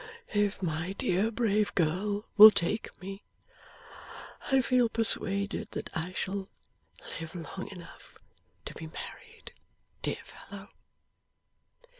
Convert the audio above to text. If my dear brave girl will take me, I feel persuaded that I shall live long enough to be married, dear fellow.